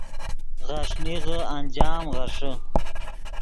غیݰ نیغے انجام غیݰے